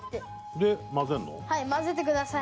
で混ぜるの？